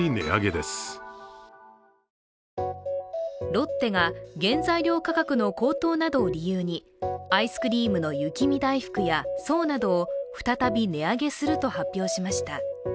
ロッテが原材料価格の高騰などを理由にアイスクリームの雪見だいふくや爽などを再び値上げすると発表しました。